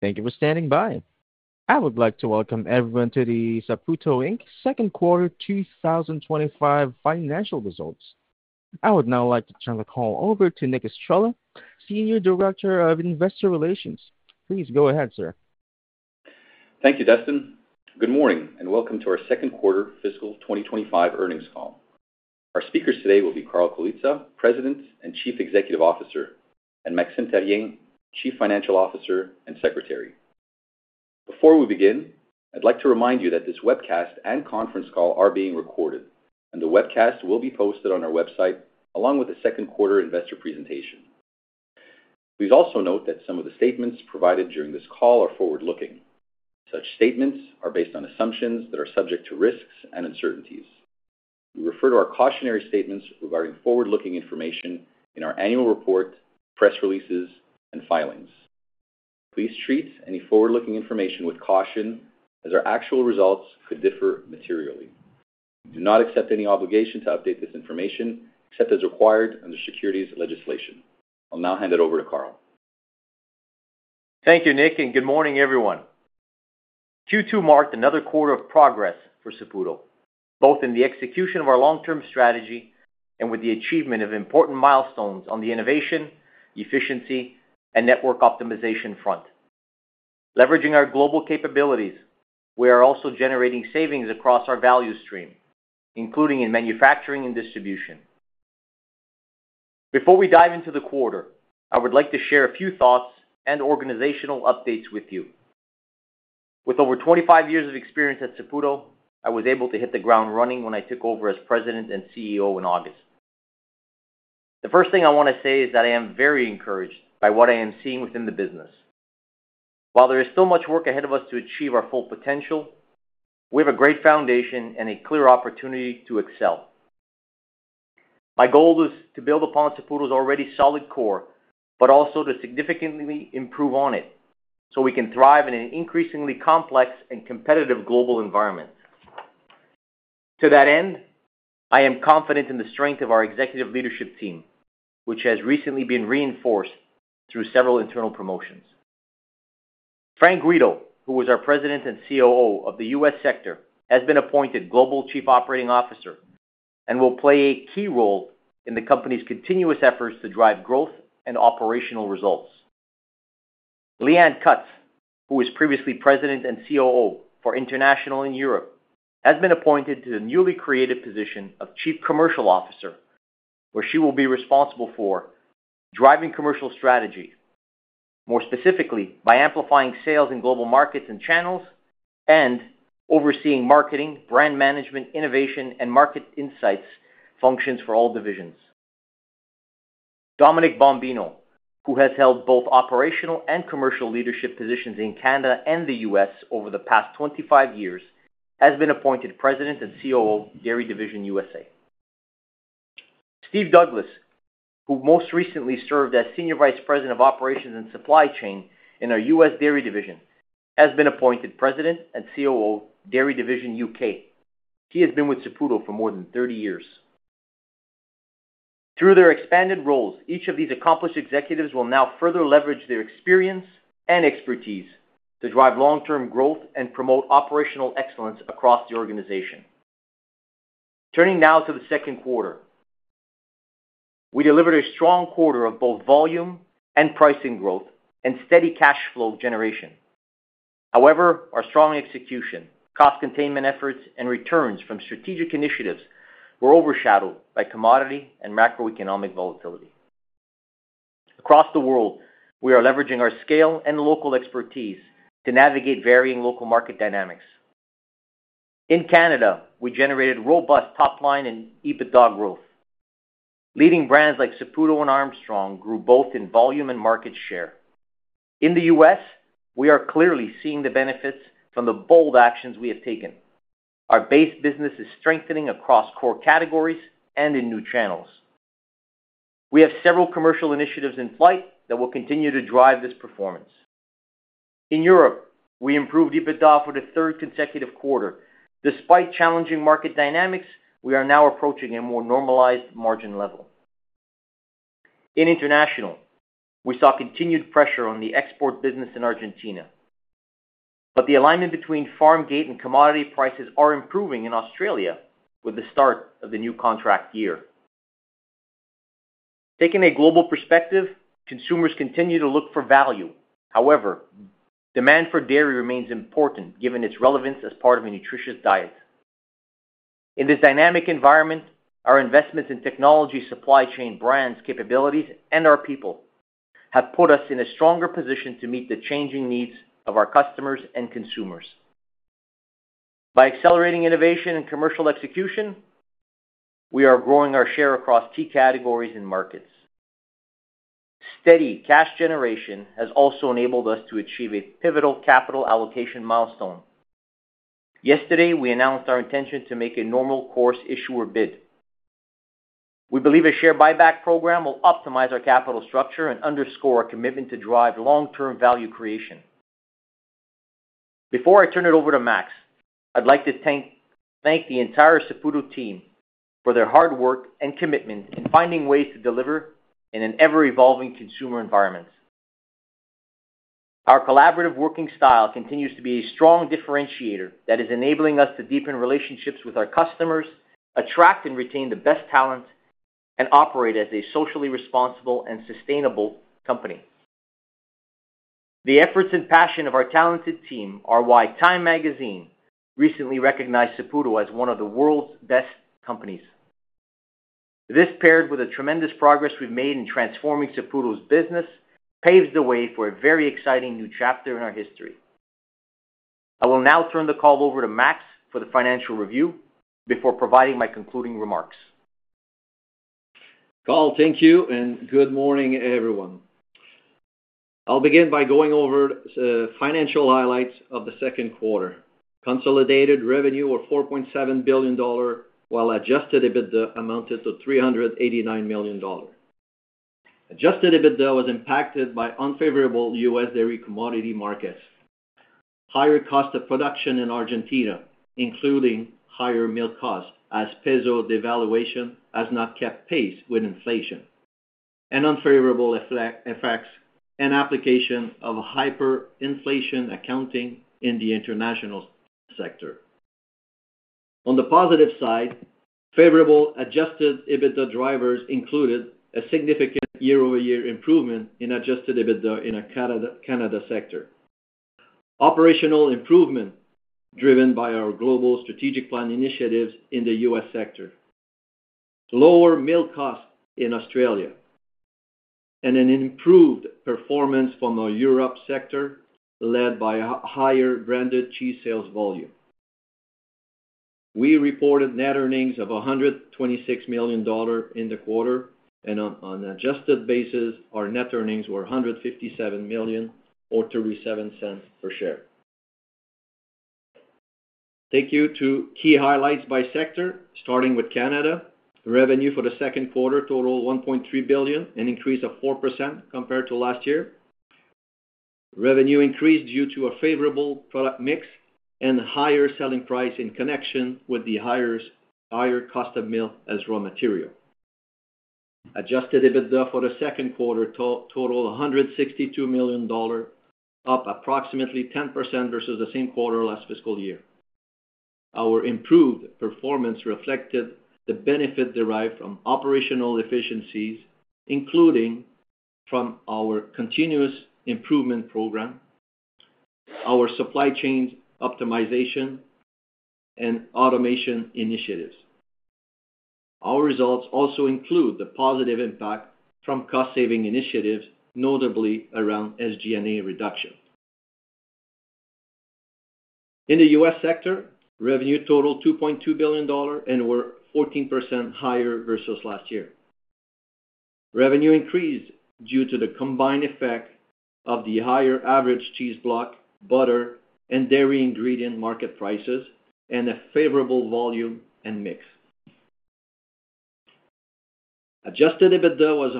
Thank you for standing by. I would like to welcome everyone to the Saputo Q2 2025 financial results. I would now like to turn the call over to Nick Estrela, Senior Director of Investor Relations. Please go ahead, sir. Thank you, Dustin. Good morning and welcome to our Q2 Fiscal 2025 earnings call. Our speakers today will be Carl Colizza, President and Chief Executive Officer, and Maxime Therrien, Chief Financial Officer and Secretary. Before we begin, I'd like to remind you that this webcast and conference call are being recorded, and the webcast will be posted on our website along with the Q2 investor presentation. Please also note that some of the statements provided during this call are forward-looking. Such statements are based on assumptions that are subject to risks and uncertainties. We refer to our cautionary statements regarding forward-looking information in our annual report, press releases, and filings. Please treat any forward-looking information with caution as our actual results could differ materially. We do not accept any obligation to update this information except as required under securities legislation. I'll now hand it over to Carl. Thank you, Nick, and good morning, everyone. Q2 marked another quarter of progress for Saputo, both in the execution of our long-term strategy and with the achievement of important milestones on the innovation, efficiency, and network optimization front. Leveraging our global capabilities, we are also generating savings across our value stream, including in manufacturing and distribution. Before we dive into the quarter, I would like to share a few thoughts and organizational updates with you. With over 25 years of experience at Saputo, I was able to hit the ground running when I took over as President and CEO in August. The first thing I want to say is that I am very encouraged by what I am seeing within the business. While there is still much work ahead of us to achieve our full potential, we have a great foundation and a clear opportunity to excel. My goal is to build upon Saputo's already solid core but also to significantly improve on it so we can thrive in an increasingly complex and competitive global environment. To that end, I am confident in the strength of our executive leadership team, which has recently been reinforced through several internal promotions. Frank Guido, who was our President and COO of the U.S. sector, has been appointed Global Chief Operating Officer and will play a key role in the company's continuous efforts to drive growth and operational results. Leanne Cutts, who was previously President and COO for International in Europe, has been appointed to the newly created position of Chief Commercial Officer, where she will be responsible for driving commercial strategy, more specifically by amplifying sales in global markets and channels, and overseeing marketing, brand management, innovation, and market insights functions for all divisions. Dominic Bombino, who has held both operational and commercial leadership positions in Canada and the U.S. over the past 25 years, has been appointed President and COO, Dairy Division USA. Steve Douglas, who most recently served as Senior Vice President of Operations and Supply Chain in our US Dairy Division, has been appointed President and COO, Dairy Division U.K. He has been with Saputo for more than 30 years. Through their expanded roles, each of these accomplished executives will now further leverage their experience and expertise to drive long-term growth and promote operational excellence across the organization. Turning now to the Q2, we delivered a strong quarter of both volume and pricing growth and steady cash flow generation. However, our strong execution, cost containment efforts, and returns from strategic initiatives were overshadowed by commodity and macroeconomic volatility. Across the world, we are leveraging our scale and local expertise to navigate varying local market dynamics. In Canada, we generated robust top-line and EBITDA growth. Leading brands like Saputo and Armstrong grew both in volume and market share. In the U.S., we are clearly seeing the benefits from the bold actions we have taken. Our base business is strengthening across core categories and in new channels. We have several commercial initiatives in flight that will continue to drive this performance. In Europe, we improved EBITDA for the third consecutive quarter. Despite challenging market dynamics, we are now approaching a more normalized margin level. In international, we saw continued pressure on the export business in Argentina, but the alignment between farm gate and commodity prices is improving in Australia with the start of the new contract year. Taking a global perspective, consumers continue to look for value. However, demand for dairy remains important given its relevance as part of a nutritious diet. In this dynamic environment, our investments in technology, supply chain, brands, capabilities, and our people have put us in a stronger position to meet the changing needs of our customers and consumers. By accelerating innovation and commercial execution, we are growing our share across key categories and markets. Steady cash generation has also enabled us to achieve a pivotal capital allocation milestone. Yesterday, we announced our intention to make a Normal Course Issuer Bid. We believe a share buyback program will optimize our capital structure and underscore our commitment to drive long-term value creation. Before I turn it over to Max, I'd like to thank the entire Saputo team for their hard work and commitment in finding ways to deliver in an ever-evolving consumer environment. Our collaborative working style continues to be a strong differentiator that is enabling us to deepen relationships with our customers, attract and retain the best talent, and operate as a socially responsible and sustainable company. The efforts and passion of our talented team are why Time Magazine recently recognized Saputo as one of the world's best companies. This, paired with the tremendous progress we've made in transforming Saputo's business, paves the way for a very exciting new chapter in our history. I will now turn the call over to Max for the financial review before providing my concluding remarks. Carl, thank you, and good morning, everyone. I'll begin by going over the financial highlights of the Q2. Consolidated revenue was $4.7 billion, while Adjusted EBITDA amounted to $389 million. Adjusted EBITDA was impacted by unfavorable US Dairy commodity markets, higher cost of production in Argentina, including higher milk costs as peso devaluation has not kept pace with inflation, and unfavorable effects and application of hyperinflation accounting in the International sector. On the positive side, favorable adjusted EBITDA drivers included a significant year-over-year improvement in adjusted EBITDA in the Canada sector, operational improvement driven by our global strategic plan initiatives in the U.S. sector, lower milk costs in Australia, and an improved performance from our Europe sector led by higher branded cheese sales volume. We reported net earnings of $126 million in the quarter, and on an adjusted basis, our net earnings were $157 million, or $0.37 per share. Let me take you to key highlights by sector, starting with Canada. Revenue for the Q2 totaled $1.3 billion, an increase of 4% compared to last year. Revenue increased due to a favorable product mix and higher selling price in connection with the higher cost of milk as raw material. Adjusted EBITDA for the Q2 totaled $162 million, up approximately 10% versus the same quarter last fiscal year. Our improved performance reflected the benefit derived from operational efficiencies, including from our continuous improvement program, our supply chain optimization, and automation initiatives. Our results also include the positive impact from cost-saving initiatives, notably around SG&A reduction. In the U.S. sector, revenue totaled $2.2 billion and were 14% higher versus last year. Revenue increased due to the combined effect of the higher average cheese block, butter, and dairy ingredient market prices and a favorable volume and mix. Adjusted EBITDA was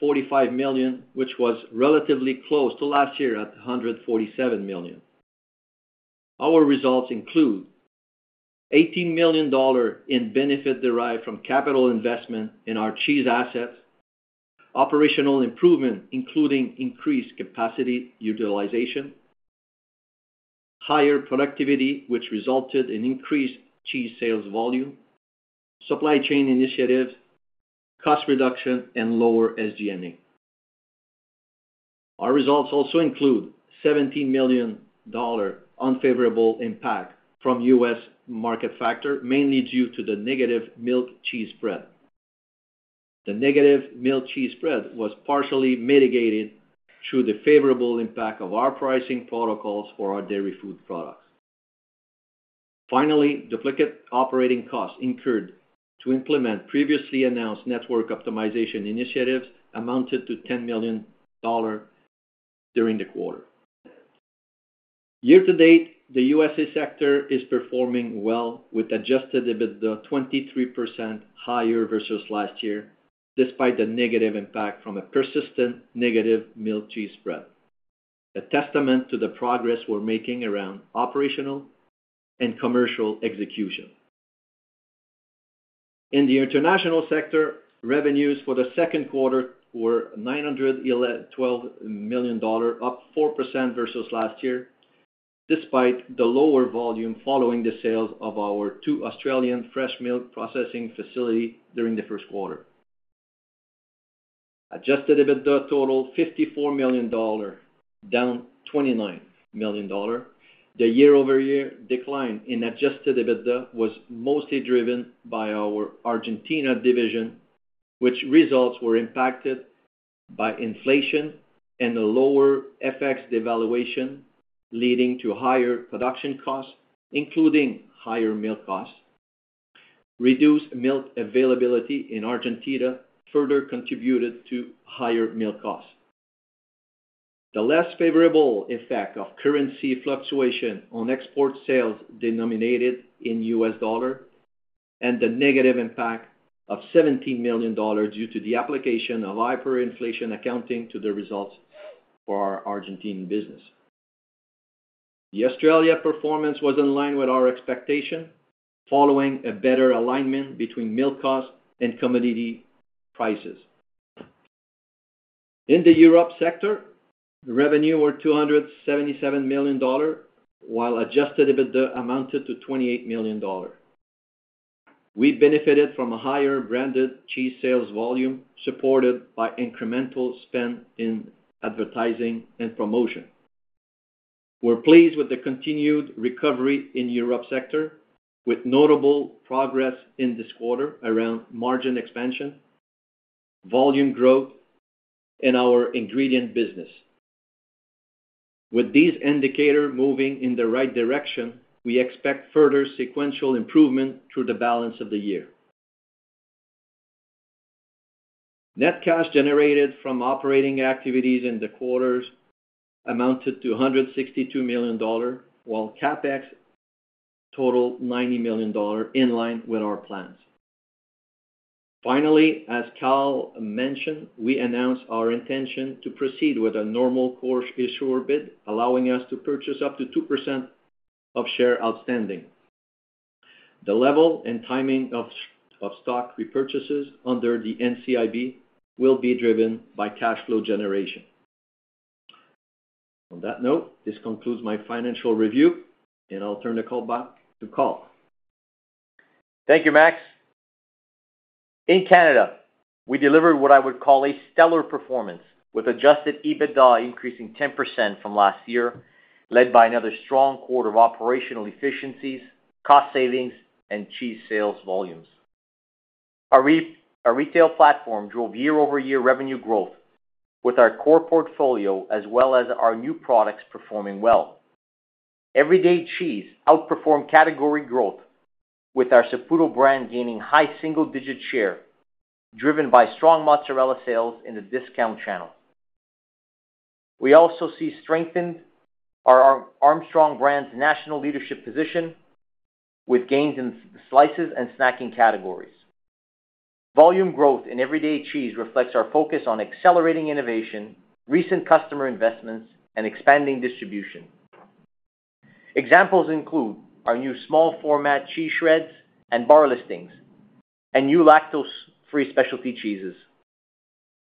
$145 million, which was relatively close to last year at $147 million. Our results include $18 million in benefit derived from capital investment in our cheese assets, operational improvement, including increased capacity utilization, higher productivity, which resulted in increased cheese sales volume, supply chain initiatives, cost reduction, and lower SG&A. Our results also include $17 million unfavorable impact from US market factor, mainly due to the negative milk-cheese spread. The negative milk-cheese spread was partially mitigated through the favorable impact of our pricing protocols for our dairy food products. Finally, duplicate operating costs incurred to implement previously announced network optimization initiatives amounted to $10 million during the quarter. Year to date, the U.S. sector is performing well with Adjusted EBITDA 23% higher versus last year, despite the negative impact from a persistent negative milk-cheese spread. A testament to the progress we're making around operational and commercial execution. In the International sector, revenues for the Q2 were $912 million, up 4% versus last year, despite the lower volume following the sales of our two Australian fresh milk processing facilities during the Q1. Adjusted EBITDA totaled $54, down 29 million. The year-over-year decline in adjusted EBITDA was mostly driven by our Argentina division, which results were impacted by inflation and a lower FX devaluation leading to higher production costs, including higher milk costs. Reduced milk availability in Argentina further contributed to higher milk costs. The less favorable effect of currency fluctuation on export sales denominated in US dollar and the negative impact of $17 million due to the application of hyperinflation accounting to the results for our Argentine business. The Australia performance was in line with our expectation, following a better alignment between milk costs and commodity prices. In the Europe sector, revenue was 277 million dollars, while Adjusted EBITDA amounted to 28 million dollars. We benefited from a higher branded cheese sales volume supported by incremental spend in advertising and promotion. We're pleased with the continued recovery in Europe sector, with notable progress in this quarter around margin expansion, volume growth, and our ingredient business. With these indicators moving in the right direction, we expect further sequential improvement through the balance of the year. Net cash generated from operating activities in the quarters amounted to 162 million dollars, while CapEx totaled 90 million dollars in line with our plans. Finally, as Carl mentioned, we announced our intention to proceed with a normal course issuer bid, allowing us to purchase up to 2% of shares outstanding. The level and timing of stock repurchases under the NCIB will be driven by cash flow generation. On that note, this concludes my financial review, and I'll turn the call back to Carl. Thank you, Max. In Canada, we delivered what I would call a stellar performance, with Adjusted EBITDA increasing 10% from last year, led by another strong quarter of operational efficiencies, cost savings, and cheese sales volumes. Our retail platform drove year-over-year revenue growth, with our core portfolio as well as our new products performing well. Everyday cheese outperformed category growth, with our Saputo brand gaining high single-digit share, driven by strong mozzarella sales in the discount channel. We also see strengthened Armstrong brand's national leadership position, with gains in slices and snacking categories. Volume growth in everyday cheese reflects our focus on accelerating innovation, recent customer investments, and expanding distribution. Examples include our new small-format cheese shreds and bar listings, and new lactose-free specialty cheeses.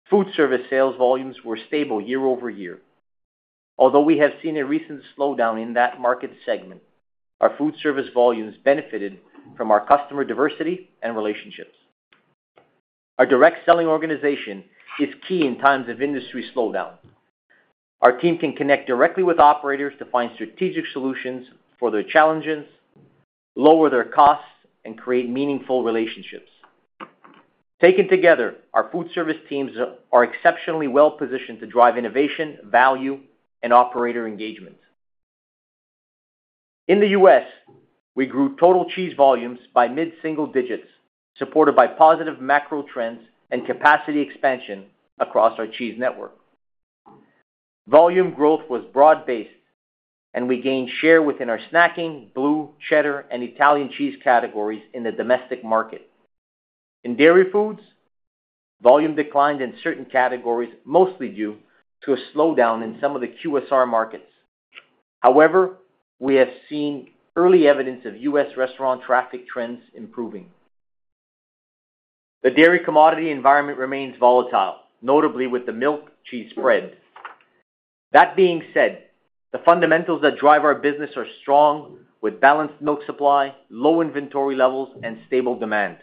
Food service sales volumes were stable year-over-year. Although we have seen a recent slowdown in that market segment, our food service volumes benefited from our customer diversity and relationships. Our direct selling organization is key in times of industry slowdown. Our team can connect directly with operators to find strategic solutions for their challenges, lower their costs, and create meaningful relationships. Taken together, our food service teams are exceptionally well-positioned to drive innovation, value, and operator engagement. In the U.S., we grew total cheese volumes by mid-single digits, supported by positive macro trends and capacity expansion across our cheese network. Volume growth was broad-based, and we gained share within our snacking, blue, cheddar, and Italian cheese categories in the domestic market. In dairy foods, volume declined in certain categories, mostly due to a slowdown in some of the QSR markets. However, we have seen early evidence of US restaurant traffic trends improving. The dairy commodity environment remains volatile, notably with the milk-cheese spread. That being said, the fundamentals that drive our business are strong, with balanced milk supply, low inventory levels, and stable demand.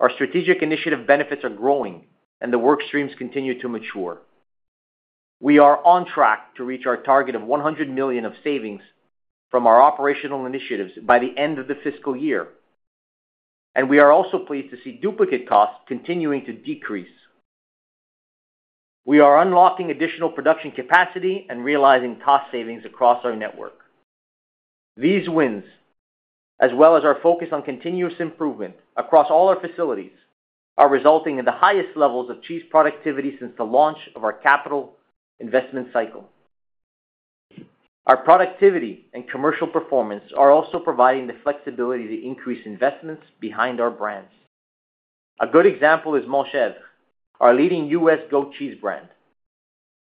Our strategic initiative benefits are growing, and the work streams continue to mature. We are on track to reach our target of $100 million of savings from our operational initiatives by the end of the fiscal year, and we are also pleased to see duplicate costs continuing to decrease. We are unlocking additional production capacity and realizing cost savings across our network. These wins, as well as our focus on continuous improvement across all our facilities, are resulting in the highest levels of cheese productivity since the launch of our capital investment cycle. Our productivity and commercial performance are also providing the flexibility to increase investments behind our brands. A good example is Montchevre, our leading U.S. Goat cheese brand.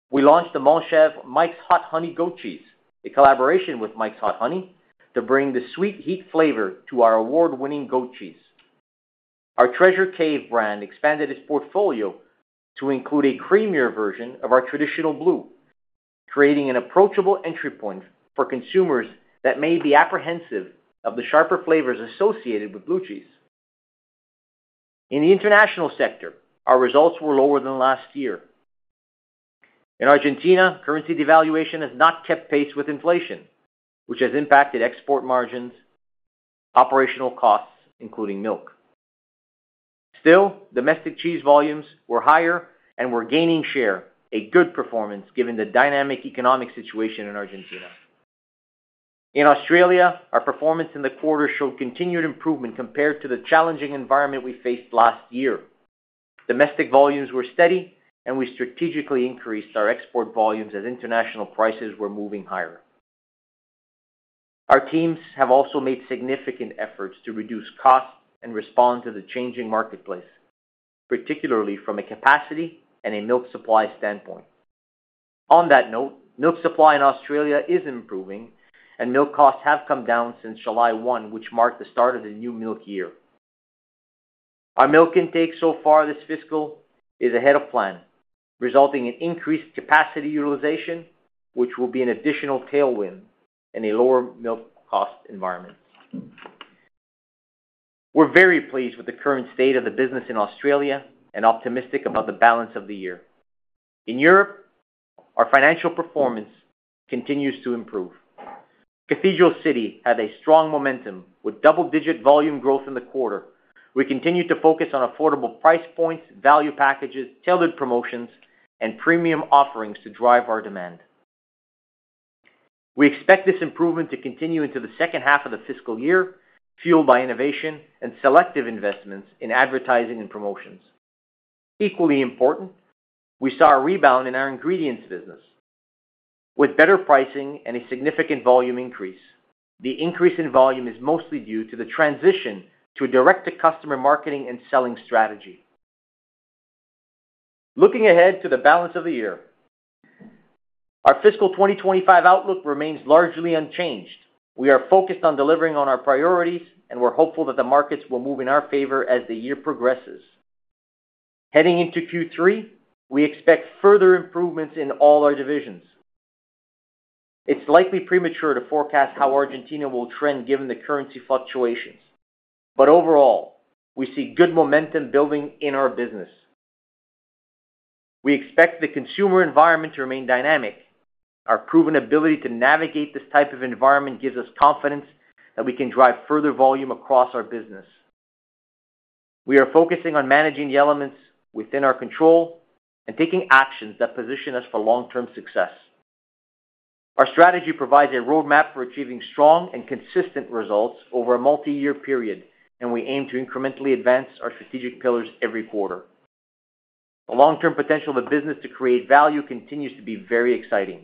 We launched the Montchevre Mike's Hot Honey Goat Cheese, a collaboration with Mike's Hot Honey, to bring the sweet heat flavor to our award-winning goat cheese. Our Treasure Cave brand expanded its portfolio to include a creamier version of our traditional blue, creating an approachable entry point for consumers that may be apprehensive of the sharper flavors associated with blue cheese. In the International sector, our results were lower than last year. In Argentina, currency devaluation has not kept pace with inflation, which has impacted export margins, operational costs, including milk. Still, domestic cheese volumes were higher and were gaining share, a good performance given the dynamic economic situation in Argentina. In Australia, our performance in the quarter showed continued improvement compared to the challenging environment we faced last year. Domestic volumes were steady, and we strategically increased our export volumes as International prices were moving higher. Our teams have also made significant efforts to reduce costs and respond to the changing marketplace, particularly from a capacity and a milk supply standpoint. On that note, milk supply in Australia is improving, and milk costs have come down since 1st of July, which marked the start of the new milk year. Our milk intake so far this fiscal is ahead of plan, resulting in increased capacity utilization, which will be an additional tailwind in a lower milk cost environment. We're very pleased with the current state of the business in Australia and optimistic about the balance of the year. In Europe, our financial performance continues to improve. Cathedral City had a strong momentum with double-digit volume growth in the quarter. We continue to focus on affordable price points, value packages, tailored promotions, and premium offerings to drive our demand. We expect this improvement to continue into the second half of the fiscal year, fueled by innovation and selective investments in advertising and promotions. Equally important, we saw a rebound in our ingredients business, with better pricing and a significant volume increase. The increase in volume is mostly due to the transition to a direct-to-customer marketing and selling strategy. Looking ahead to the balance of the year, our fiscal 2025 outlook remains largely unchanged. We are focused on delivering on our priorities, and we're hopeful that the markets will move in our favor as the year progresses. Heading into Q3, we expect further improvements in all our divisions. It's likely premature to forecast how Argentina will trend given the currency fluctuations, but overall, we see good momentum building in our business. We expect the consumer environment to remain dynamic. Our proven ability to navigate this type of environment gives us confidence that we can drive further volume across our business. We are focusing on managing the elements within our control and taking actions that position us for long-term success. Our strategy provides a roadmap for achieving strong and consistent results over a multi-year period, and we aim to incrementally advance our strategic pillars every quarter. The long-term potential of the business to create value continues to be very exciting.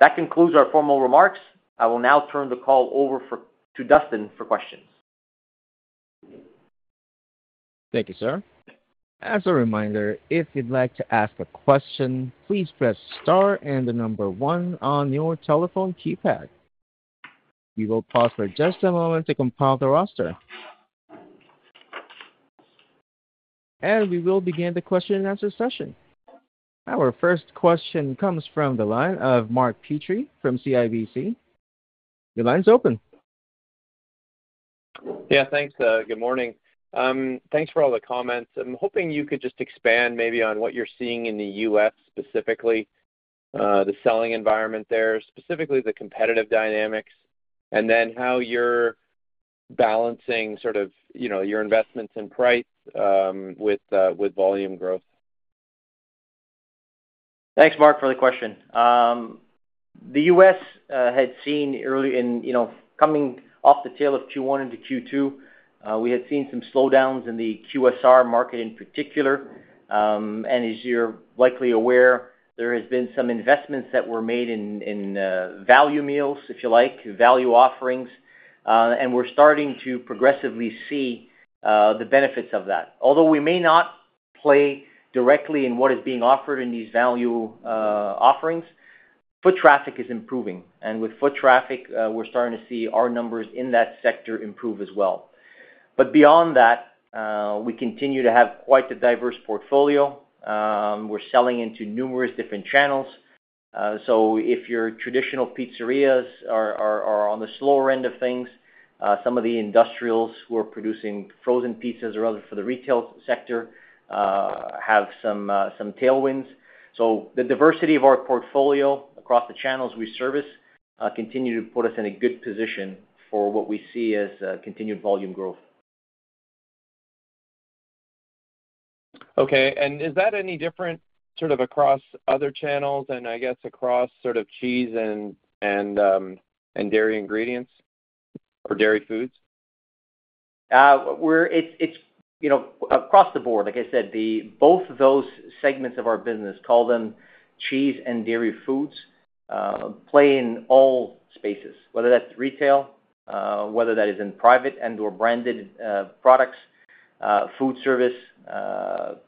That concludes our formal remarks. I will now turn the call over to Dustin for questions. Thank you, sir. As a reminder, if you'd like to ask a question, please press star and the number one on your telephone keypad. We will pause for just a moment to compile the roster, and we will begin the question-and-answer session. Our first question comes from the line of Mark Petrie from CIBC. Your line's open. Yeah, thanks. Good morning. Thanks for all the comments. I'm hoping you could just expand maybe on what you're seeing in the U.S. specifically, the selling environment there, specifically the competitive dynamics, and then how you're balancing sort of your investments in price with volume growth. Thanks, Mark, for the question. The U.S. had seen early in coming off the tail of Q1 into Q2, we had seen some slowdowns in the QSR market in particular. And as you're likely aware, there has been some investments that were made in value meals, if you like, value offerings, and we're starting to progressively see the benefits of that. Although we may not play directly in what is being offered in these value offerings, foot traffic is improving. And with foot traffic, we're starting to see our numbers in that sector improve as well. But beyond that, we continue to have quite the diverse portfolio. We're selling into numerous different channels. So if your traditional pizzerias are on the slower end of things, some of the industrials who are producing frozen pizzas or other for the retail sector have some tailwinds. So the diversity of our portfolio across the channels we service continues to put us in a good position for what we see as continued volume growth. Okay. And is that any different sort of across other channels and I guess across sort of cheese and dairy ingredients or dairy foods? It's across the board. Like I said, both of those segments of our business, call them cheese and dairy foods, play in all spaces, whether that's retail, whether that is in private and/or branded products, food service,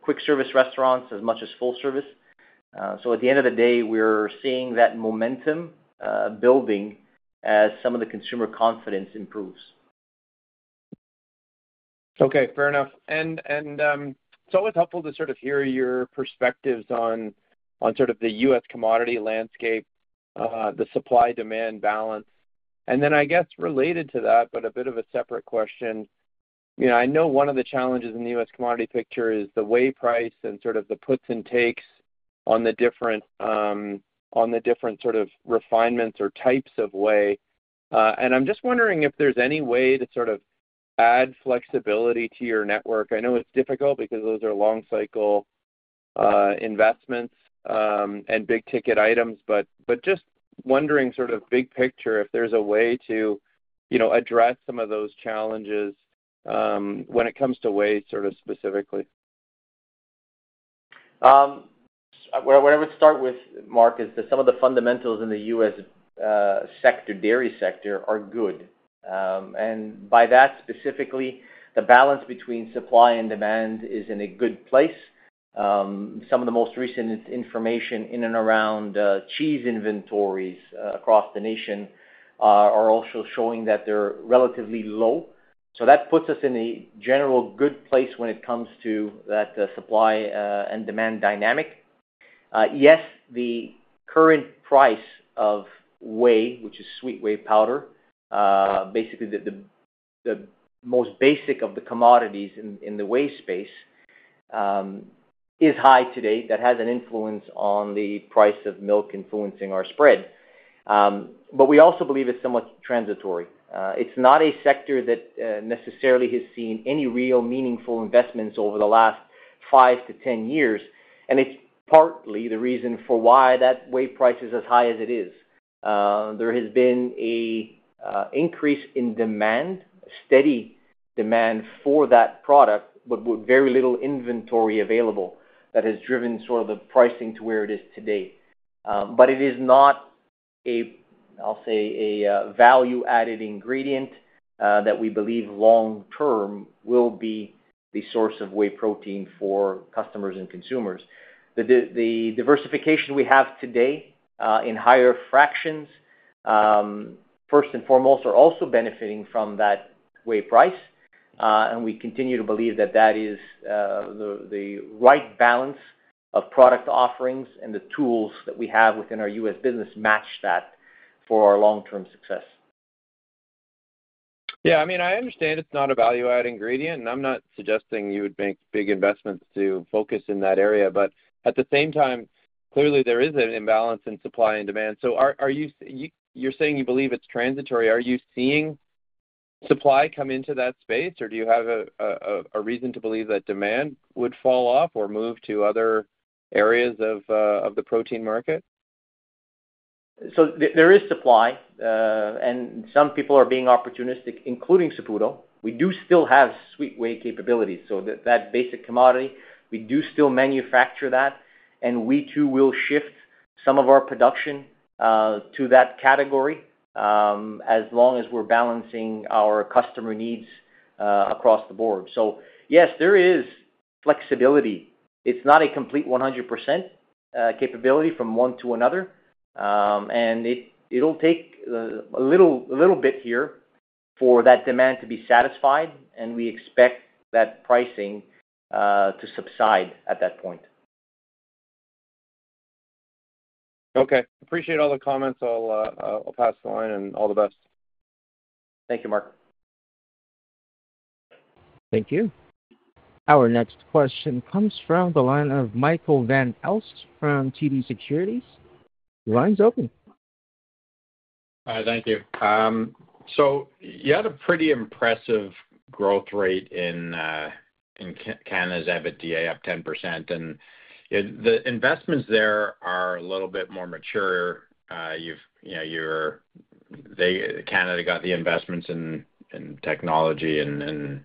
quick service restaurants, as much as full service. So at the end of the day, we're seeing that momentum building as some of the consumer confidence improves. Okay. Fair enough. And it's always helpful to sort of hear your perspectives on sort of the U.S. commodity landscape, the supply-demand balance. And then I guess related to that, but a bit of a separate question, I know one of the challenges in the U.S. commodity picture is the way price and sort of the puts and takes on the different sort of refinements or types of whey. And I'm just wondering if there's any way to sort of add flexibility to your network. I know it's difficult because those are long-cycle investments and big-ticket items, but just wondering sort of big picture if there's a way to address some of those challenges when it comes to whey sort of specifically. Where I would start with, Mark, is that some of the fundamentals in the U.S. sector, dairy sector, are good. And by that specifically, the balance between supply and demand is in a good place. Some of the most recent information in and around cheese inventories across the nation are also showing that they're relatively low. So that puts us in a general good place when it comes to that supply and demand dynamic. Yes, the current price of whey, which is sweet whey powder, basically the most basic of the commodities in the whey space, is high today. That has an influence on the price of milk, influencing our spread. But we also believe it's somewhat transitory. It's not a sector that necessarily has seen any real meaningful investments over the last five to 10 years, and it's partly the reason for why that whey price is as high as it is. There has been an increase in demand, steady demand for that product, but with very little inventory available that has driven sort of the pricing to where it is today. But it is not, I'll say, a value-added ingredient that we believe long-term will be the source of whey protein for customers and consumers. The diversification we have today in higher fractions, first and foremost, are also benefiting from that whey price. And we continue to believe that that is the right balance of product offerings and the tools that we have within our US business match that for our long-term success. Yeah. I mean, I understand it's not a value-added ingredient, and I'm not suggesting you would make big investments to focus in that area. But at the same time, clearly, there is an imbalance in supply and demand. So you're saying you believe it's transitory. Are you seeing supply come into that space, or do you have a reason to believe that demand would fall off or move to other areas of the protein market? So there is supply, and some people are being opportunistic, including Saputo. We do still have sweet whey capabilities, so that basic commodity. We do still manufacture that, and we too will shift some of our production to that category as long as we're balancing our customer needs across the board. So yes, there is flexibility. It's not a complete 100% capability from one to another, and it'll take a little bit here for that demand to be satisfied, and we expect that pricing to subside at that point. Okay. Appreciate all the comments. I'll pass the line and all the best. Thank you, Mark. Thank you. Our next question comes from the line of Michael Van Aelst from TD Securities. Line's open. Hi. Thank you. So you had a pretty impressive growth rate in Canada's EBITDA up 10%, and the investments there are a little bit more mature. Canada got the investments in technology and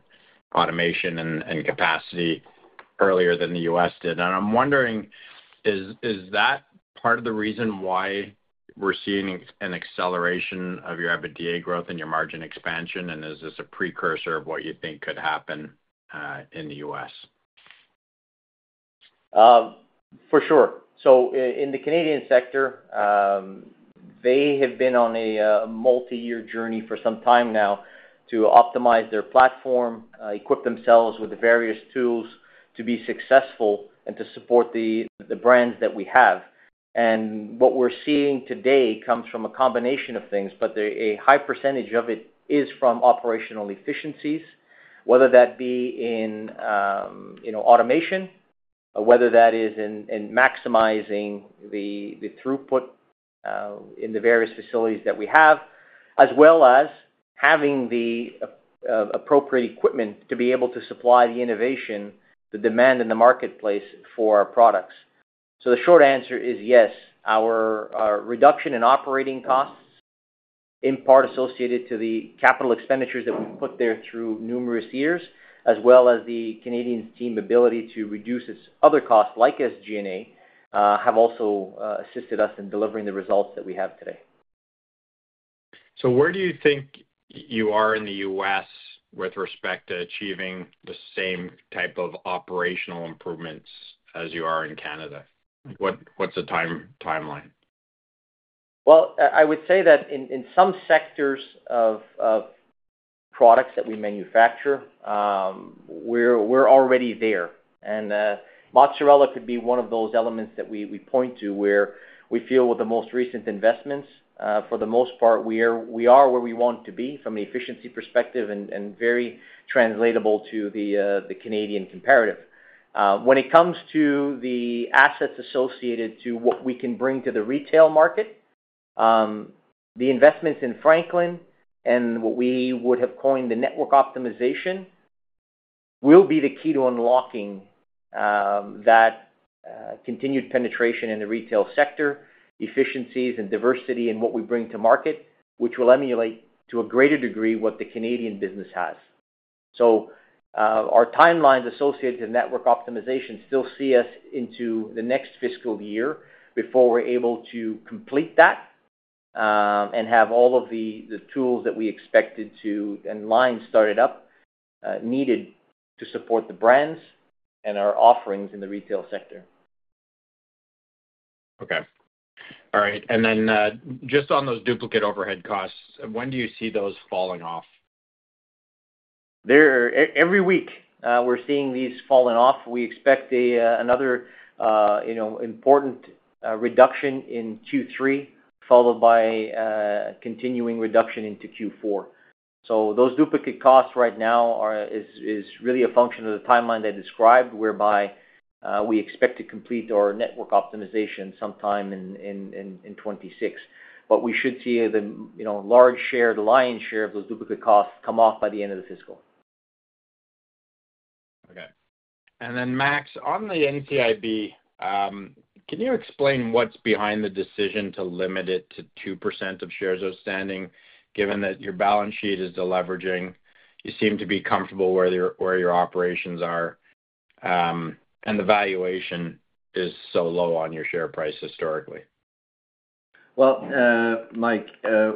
automation and capacity earlier than the U.S. did. And I'm wondering, is that part of the reason why we're seeing an acceleration of your EBITDA growth and your margin expansion, and is this a precursor of what you think could happen in the U.S.? For sure. So in the Canadian sector, they have been on a multi-year journey for some time now to optimize their platform, equip themselves with various tools to be successful, and to support the brands that we have. And what we're seeing today comes from a combination of things, but a high percentage of it is from operational efficiencies, whether that be in automation, whether that is in maximizing the throughput in the various facilities that we have, as well as having the appropriate equipment to be able to supply the innovation, the demand, and the marketplace for our products. So the short answer is yes. Our reduction in operating costs, in part associated to the capital expenditures that we've put there through numerous years, as well as the Canadian team's ability to reduce its other costs, like SG&A, have also assisted us in delivering the results that we have today. So where do you think you are in the U.S. with respect to achieving the same type of operational improvements as you are in Canada? What's the timeline? I would say that in some sectors of products that we manufacture, we're already there. And Mozzarella could be one of those elements that we point to where we feel with the most recent investments, for the most part, we are where we want to be from an efficiency perspective and very translatable to the Canadian comparative. When it comes to the assets associated to what we can bring to the retail market, the investments in Franklin and what we would have coined the Network Optimization will be the key to unlocking that continued penetration in the retail sector, efficiencies, and diversity in what we bring to market, which will emulate to a greater degree what the Canadian business has. So our timelines associated to network optimization still see us into the next fiscal year before we're able to complete that and have all of the tools that we expected to and lines started up needed to support the brands and our offerings in the retail sector. Okay. All right. And then just on those duplicate overhead costs, when do you see those falling off? Every week, we're seeing these falling off. We expect another important reduction in Q3, followed by continuing reduction into Q4. So those duplicate costs right now are really a function of the timeline they described, whereby we expect to complete our network optimization sometime in 2026. But we should see the large share, the lion's share of those duplicate costs come off by the end of the fiscal. Okay. And then, Max, on the NCIB, can you explain what's behind the decision to limit it to 2% of shares outstanding, given that your balance sheet is the leveraging? You seem to be comfortable where your operations are, and the valuation is so low on your share price historically. Mike,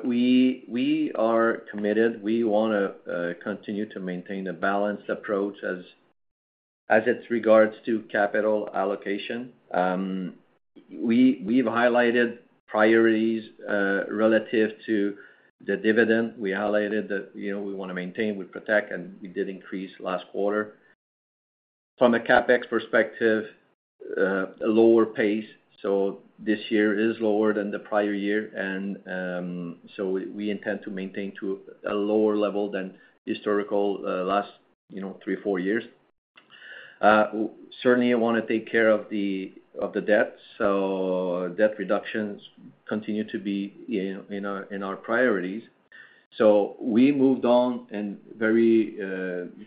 we are committed. We want to continue to maintain a balanced approach as it regards to capital allocation. We've highlighted priorities relative to the dividend. We highlighted that we want to maintain, we protect, and we did increase last quarter. From a CapEx perspective, a lower pace. So this year is lower than the prior year, and so we intend to maintain to a lower level than historical last three, four years. Certainly, I want to take care of the debt. So debt reductions continue to be in our priorities. So we moved on and very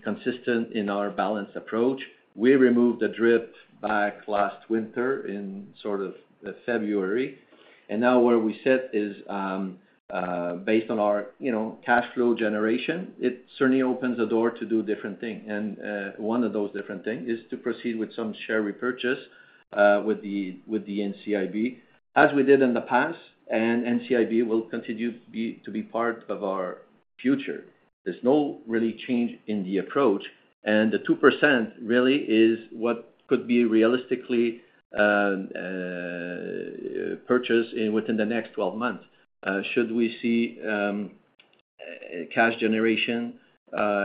consistent in our balanced approach. We removed the DRIP back last winter in sort of February, and now where we sit is based on our cash flow generation. It certainly opens a door to do different things. One of those different things is to proceed with some share repurchase with the NCIB, as we did in the past, and NCIB will continue to be part of our future. There's no real change in the approach. The 2% really is what could be realistically purchased within the next 12 months. Should we see cash generation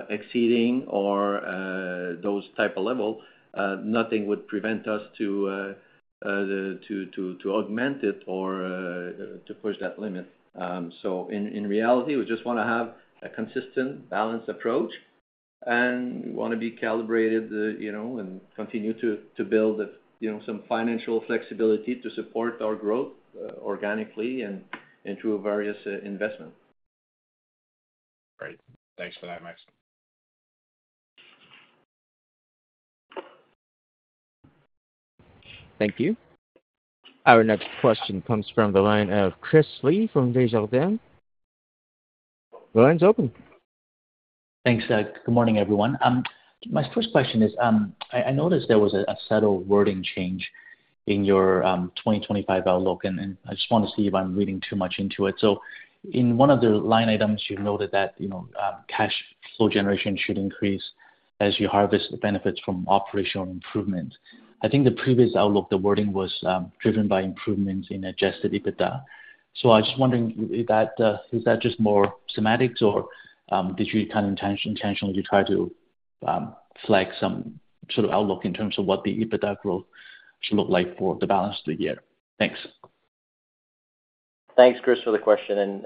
exceeding those types of levels, nothing would prevent us to augment it or to push that limit. In reality, we just want to have a consistent balanced approach and want to be calibrated and continue to build some financial flexibility to support our growth organically and through various investments. Great. Thanks for that, Max. Thank you. Our next question comes from the line of Chris Li from Desjardins. The line's open. Thanks. Good morning, everyone. My first question is, I noticed there was a subtle wording change in your 2025 outlook, and I just want to see if I'm reading too much into it. So in one of the line items, you noted that cash flow generation should increase as you harvest the benefits from operational improvement. I think the previous outlook, the wording was driven by improvements in adjusted EBITDA. So I was just wondering, is that just more semantics, or did you kind of intentionally try to flag some sort of outlook in terms of what the EBITDA growth should look like for the balance of the year? Thanks. Thanks, Chris, for the question.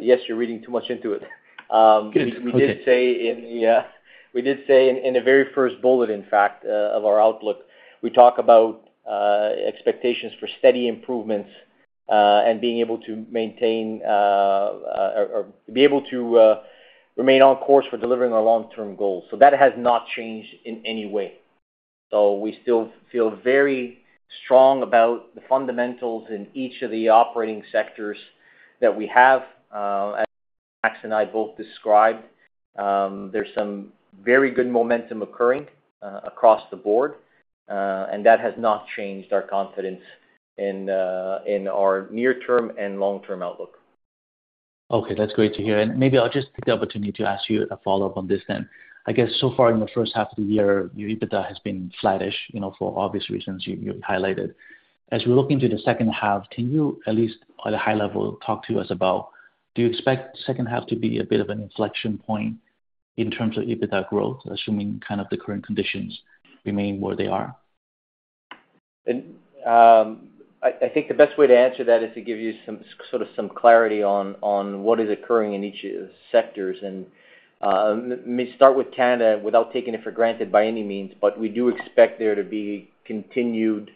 Yes, you're reading too much into it. We did say in the very first bullet, in fact, of our outlook, we talk about expectations for steady improvements and being able to maintain or be able to remain on course for delivering our long-term goals. That has not changed in any way. We still feel very strong about the fundamentals in each of the operating sectors that we have. As Max and I both described, there's some very good momentum occurring across the board, and that has not changed our confidence in our near-term and long-term outlook. Okay. That's great to hear. And maybe I'll just take the opportunity to ask you a follow-up on this then. I guess so far in the first half of the year, your EBITDA has been sluggish for obvious reasons you highlighted. As we look into the second half, can you at least at a high level talk to us about, do you expect the second half to be a bit of an inflection point in terms of EBITDA growth, assuming kind of the current conditions remain where they are? I think the best way to answer that is to give you sort of some clarity on what is occurring in each of the sectors. Let me start with Canada without taking it for granted by any means, but we do expect there to be continued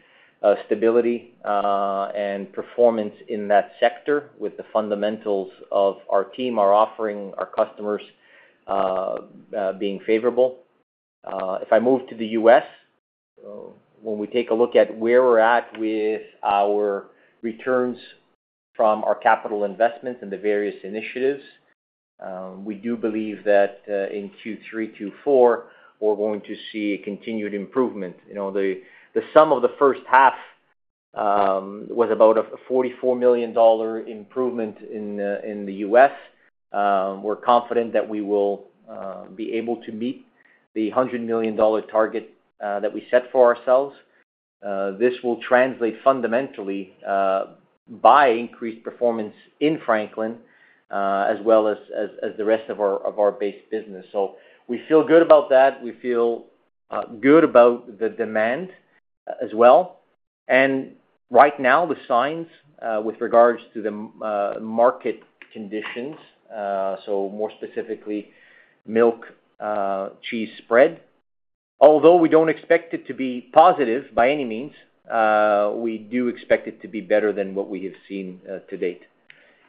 stability and performance in that sector with the fundamentals of our team, our offering, our customers being favorable. If I move to the U.S., when we take a look at where we're at with our returns from our capital investments and the various initiatives, we do believe that in Q3, Q4, we're going to see a continued improvement. The sum of the first half was about a $44 million improvement in the U.S. We're confident that we will be able to meet the $100 million target that we set for ourselves. This will translate fundamentally by increased performance in Franklin as well as the rest of our base business, so we feel good about that. We feel good about the demand as well, and right now, the signs with regards to the market conditions, so more specifically milk, cheese, spread, although we don't expect it to be positive by any means, we do expect it to be better than what we have seen to date,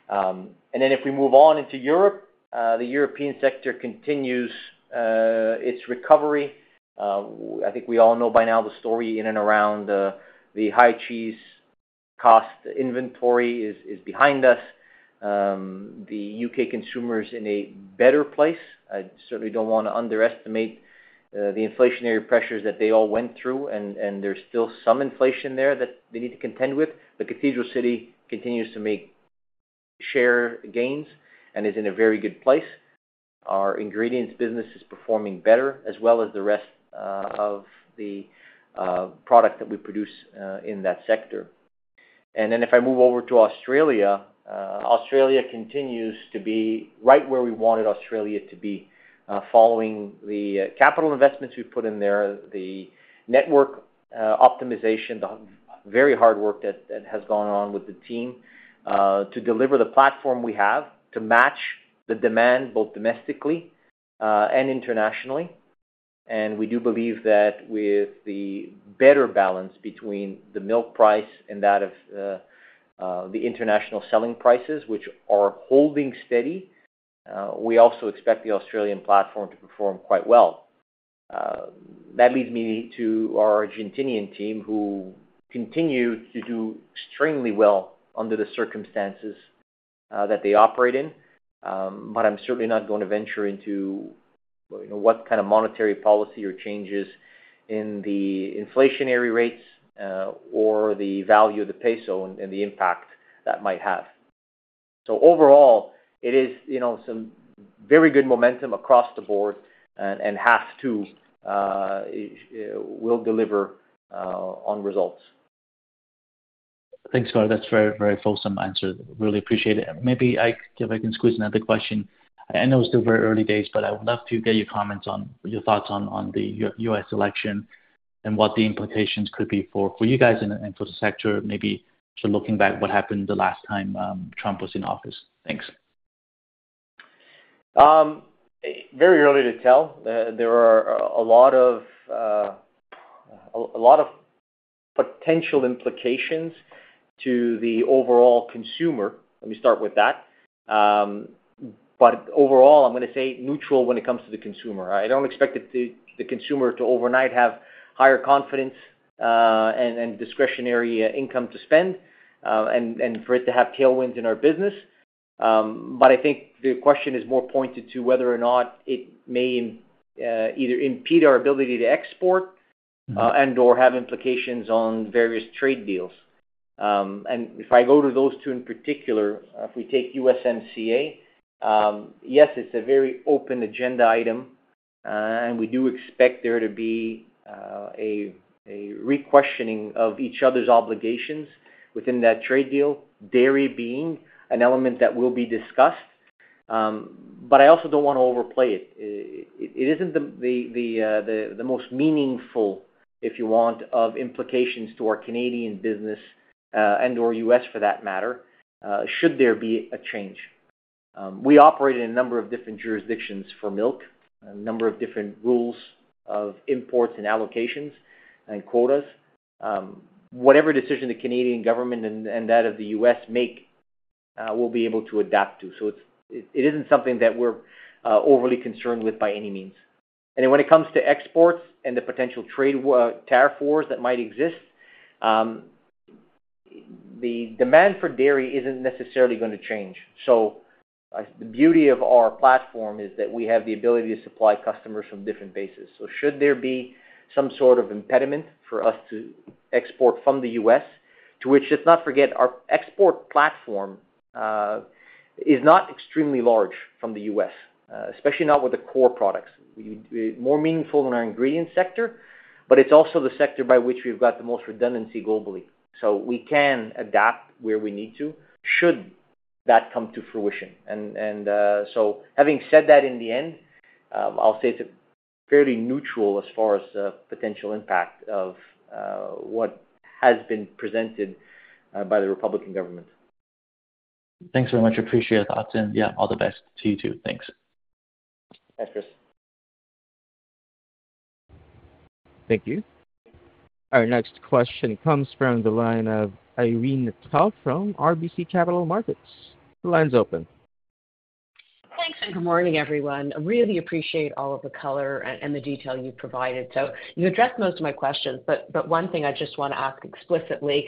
and then if we move on into Europe, the European sector continues its recovery. I think we all know by now the story in and around the high cheese cost inventory is behind us. The U.K. consumer is in a better place. I certainly don't want to underestimate the inflationary pressures that they all went through, and there's still some inflation there that they need to contend with. Cathedral City continues to make share gains and is in a very good place. Our ingredients business is performing better as well as the rest of the product that we produce in that sector. If I move over to Australia, Australia continues to be right where we wanted Australia to be, following the capital investments we've put in there, the network optimization, the very hard work that has gone on with the team to deliver the platform we have to match the demand both domestically and Internationally. We do believe that with the better balance between the milk price and that of the International selling prices, which are holding steady, we also expect the Australian platform to perform quite well. That leads me to our Argentinian team who continue to do extremely well under the circumstances that they operate in. But I'm certainly not going to venture into what kind of monetary policy or changes in the inflationary rates or the value of the peso and the impact that might have. So overall, it is some very good momentum across the board and will deliver on results. Thanks, Scott. That's a very, very fulsome answer. Really appreciate it. Maybe if I can squeeze another question. I know it's still very early days, but I would love to get your comments on your thoughts on the U.S. election and what the implications could be for you guys and for the sector, maybe looking back what happened the last time Trump was in office. Thanks. Very early to tell. There are a lot of potential implications to the overall consumer. Let me start with that. But overall, I'm going to say neutral when it comes to the consumer. I don't expect the consumer to overnight have higher confidence and discretionary income to spend and for it to have tailwinds in our business. But I think the question is more pointed to whether or not it may either impede our ability to export and/or have implications on various trade deals. And if I go to those two in particular, if we take USMCA, yes, it's a very open agenda item, and we do expect there to be a re-questioning of each other's obligations within that trade deal, dairy being an element that will be discussed. But I also don't want to overplay it. It isn't the most meaningful, if you want, of implications to our Canadian business and/or US for that matter, should there be a change. We operate in a number of different jurisdictions for milk, a number of different rules of imports and allocations and quotas. Whatever decision the Canadian government and that of the U.S. make will be able to adapt to. So it isn't something that we're overly concerned with by any means. And when it comes to exports and the potential trade tariff wars that might exist, the demand for dairy isn't necessarily going to change. So the beauty of our platform is that we have the ability to supply customers from different bases. Should there be some sort of impediment for us to export from the U.S., to which let's not forget, our export platform is not extremely large from the U.S., especially not with the core products. More meaningful than our ingredients sector, but it's also the sector by which we've got the most redundancy globally. We can adapt where we need to should that come to fruition. Having said that in the end, I'll say it's fairly neutral as far as potential impact of what has been presented by the Republican government. Thanks very much. Appreciate that, and yeah, all the best to you too. Thanks. Thanks, Chris. Thank you. Our next question comes from the line of Irene Nattel from RBC Capital Markets. The line's open. Thanks. Good morning, everyone. I really appreciate all of the color and the detail you've provided. You addressed most of my questions, but one thing I just want to ask explicitly.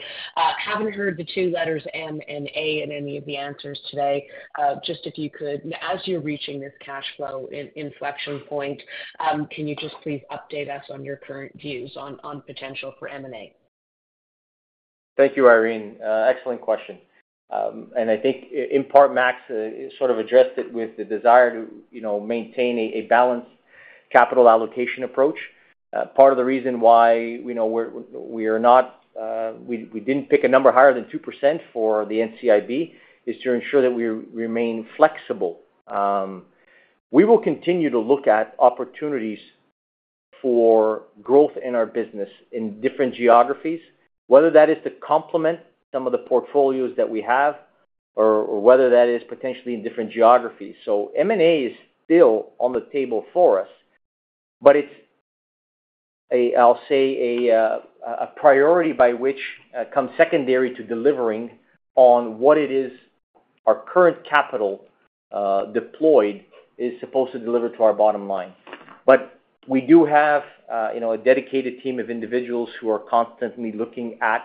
Haven't heard the two letters M&A in any of the answers today. Just if you could, as you're reaching this cash flow inflection point, can you just please update us on your current views on potential for M&A? Thank you, Irene. Excellent question. I think in part, Max sort of addressed it with the desire to maintain a balanced capital allocation approach. Part of the reason why we didn't pick a number higher than 2% for the NCIB is to ensure that we remain flexible. We will continue to look at opportunities for growth in our business in different geographies, whether that is to complement some of the portfolios that we have or whether that is potentially in different geographies. So M&A is still on the table for us, but it's, I'll say, a priority by which comes secondary to delivering on what it is our current capital deployed is supposed to deliver to our bottom line. But we do have a dedicated team of individuals who are constantly looking at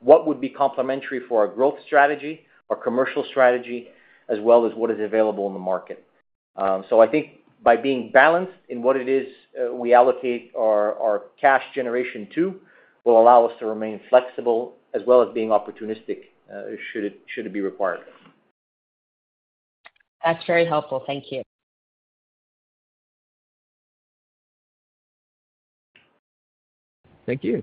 what would be complementary for our growth strategy, our commercial strategy, as well as what is available in the market. So I think by being balanced in what it is we allocate our cash generation to will allow us to remain flexible as well as being opportunistic should it be required. That's very helpful. Thank you. Thank you.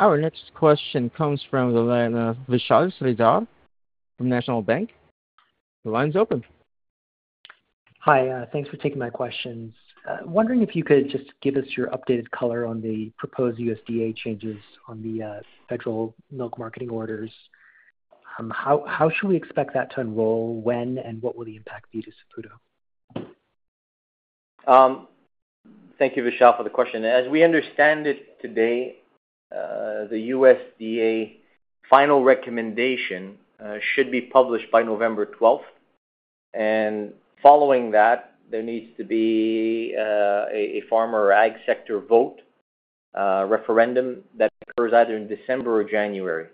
Our next question comes from the line of Vishal Shreedhar from National Bank Financial. The line's open. Hi. Thanks for taking my questions. Wondering if you could just give us your updated color on the proposed USDA changes on the Federal Milk Marketing Orders. How should we expect that to unroll? When and what will the impact be to Saputo? Thank you, Vishal, for the question. As we understand it today, the USDA final recommendation should be published by 12th of November, and following that, there needs to be a farmer or ag sector vote referendum that occurs either in December or January.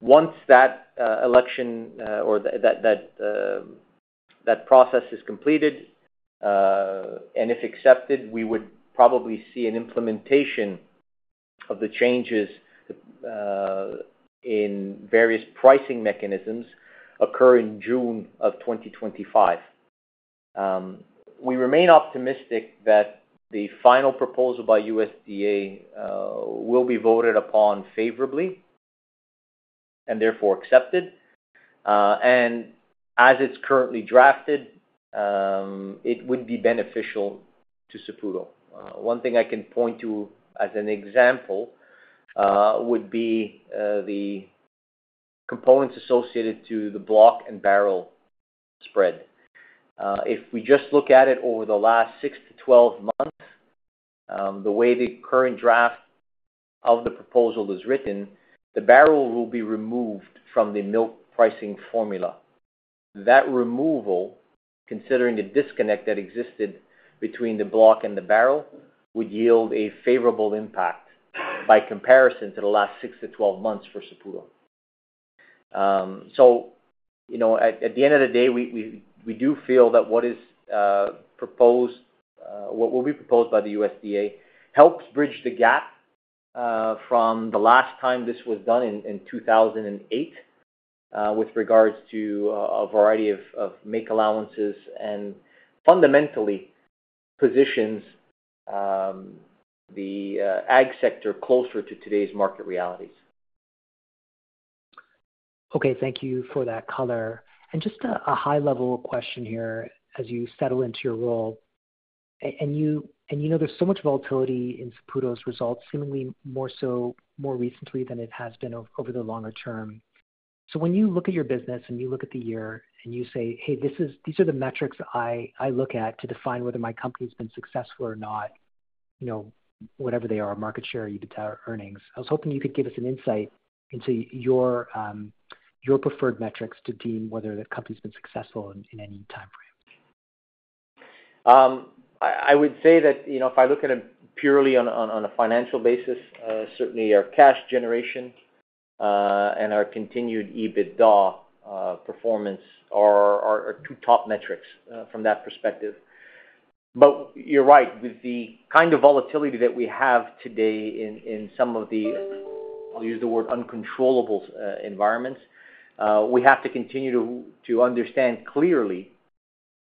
Once that election or that process is completed and if accepted, we would probably see an implementation of the changes in various pricing mechanisms occur in June of 2025. We remain optimistic that the final proposal by USDA will be voted upon favorably and therefore accepted, and as it's currently drafted, it would be beneficial to Saputo. One thing I can point to as an example would be the components associated to the block and barrel spread. If we just look at it over the last 6 to 12 months, the way the current draft of the proposal is written, the barrel will be removed from the milk pricing formula. That removal, considering the disconnect that existed between the block and the barrel, would yield a favorable impact by comparison to the last six to 12 months for Saputo. So at the end of the day, we do feel that what is proposed, what will be proposed by the USDA helps bridge the gap from the last time this was done in 2008 with regards to a variety of make allowances and fundamentally positions the ag sector closer to today's market realities. Okay. Thank you for that color. And just a high-level question here as you settle into your role. And you know there's so much volatility in Saputo's results, seemingly more so more recently than it has been over the longer term. So when you look at your business and you look at the year and you say, "Hey, these are the metrics I look at to define whether my company has been successful or not," whatever they are, market share, EBITDA, earnings, I was hoping you could give us an insight into your preferred metrics to deem whether the company has been successful in any timeframe? I would say that if I look at it purely on a financial basis, certainly our cash generation and our continued EBITDA performance are two top metrics from that perspective. But you're right. With the kind of volatility that we have today in some of the, I'll use the word, uncontrollable environments, we have to continue to understand clearly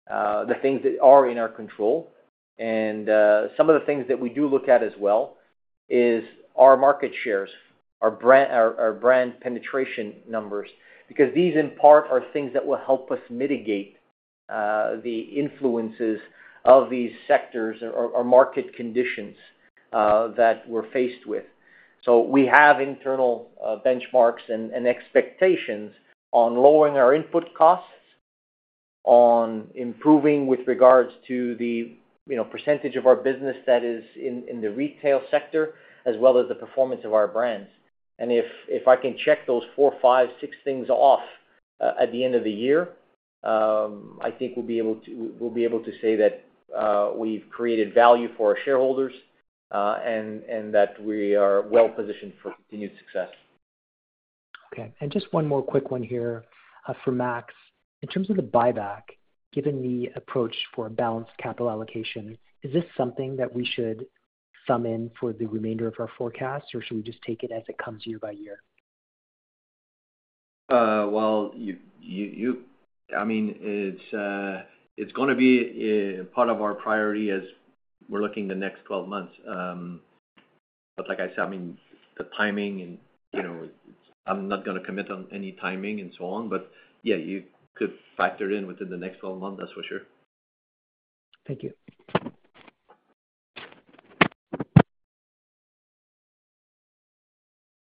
the things that are in our control. And some of the things that we do look at as well is our market shares, our brand penetration numbers, because these in part are things that will help us mitigate the influences of these sectors or market conditions that we're faced with. So we have internal benchmarks and expectations on lowering our input costs, on improving with regards to the percentage of our business that is in the retail sector, as well as the performance of our brands. If I can check those four, five, six things off at the end of the year, I think we'll be able to say that we've created value for our shareholders and that we are well positioned for continued success. Okay. And just one more quick one here for Max. In terms of the buyback, given the approach for a balanced capital allocation, is this something that we should sum in for the remainder of our forecast, or should we just take it as it comes year by year? I mean, it's going to be part of our priority as we're looking the next 12 months. Like I said, I mean, the timing and I'm not going to commit on any timing and so on. Yeah, you could factor it in within the next 12 months, that's for sure. Thank you.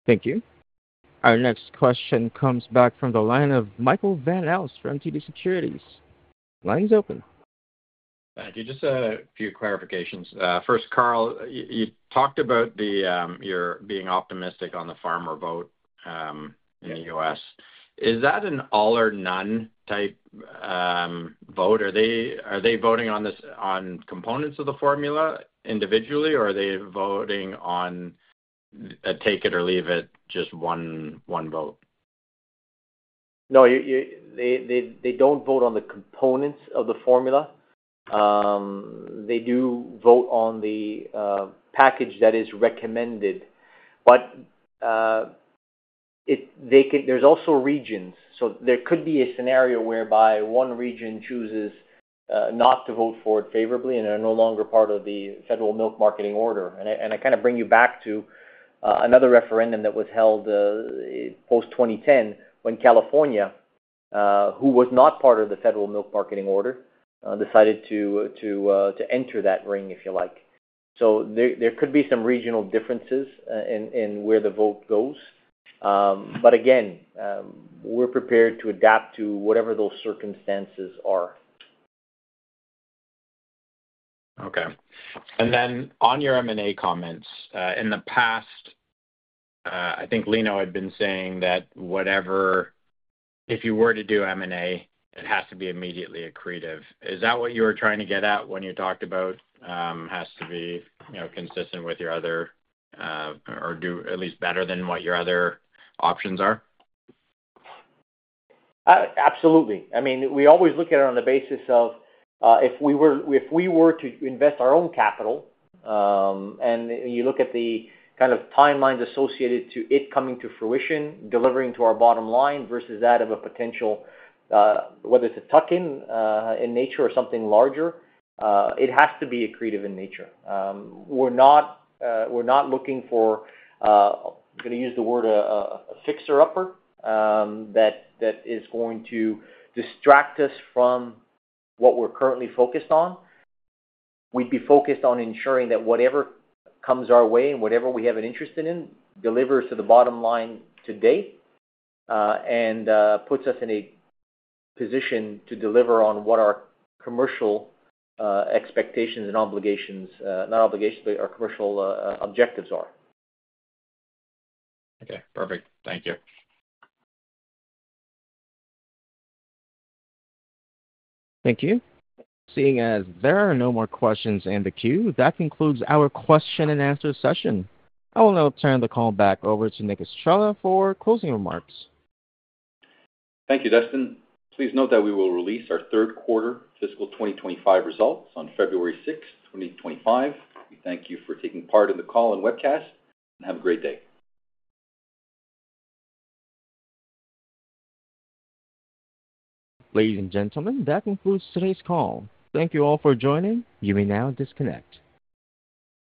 Thank you. Our next question comes back from the line of Michael Van Aelst from TD Securities. Line's open. Just a few clarifications. First, Carl, you talked about your being optimistic on the farmer vote in the U.S. Is that an all-or-none type vote? Are they voting on components of the formula individually, or are they voting on a take-it-or-leave-it just one vote? No, they don't vote on the components of the formula. They do vote on the package that is recommended. But there's also regions. So there could be a scenario whereby one region chooses not to vote for it favorably and are no longer part of the Federal Milk Marketing Order. And I kind of bring you back to another referendum that was held post-2010 when California, who was not part of the Federal Milk Marketing Order, decided to enter that ring, if you like. So there could be some regional differences in where the vote goes. But again, we're prepared to adapt to whatever those circumstances are. Okay. And then on your M&A comments, in the past, I think Lino had been saying that whatever, if you were to do M&A, it has to be immediately accretive. Is that what you were trying to get at when you talked about has to be consistent with your other or at least better than what your other options are? Absolutely. I mean, we always look at it on the basis of if we were to invest our own capital, and you look at the kind of timelines associated to it coming to fruition, delivering to our bottom line versus that of a potential, whether it's a tuck-in in nature or something larger, it has to be accretive in nature. We're not looking for, I'm going to use the word, a fixer-upper that is going to distract us from what we're currently focused on. We'd be focused on ensuring that whatever comes our way and whatever we have an interest in delivers to the bottom line today and puts us in a position to deliver on what our commercial expectations and obligations, not obligations, but our commercial objectives are. Okay. Perfect. Thank you. Thank you. Seeing as there are no more questions in the queue, that concludes our question-and-answer session. I will now turn the call back over to Nick Estrela for closing remarks. Thank you, Dustin. Please note that we will release our third quarter fiscal 2025 results on 6th of February, 2025. We thank you for taking part in the call and webcast. Have a great day. Ladies and gentlemen, that concludes today's call. Thank you all for joining. You may now disconnect.